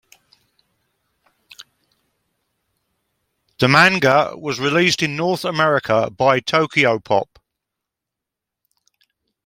The manga was released in North America by Tokyopop.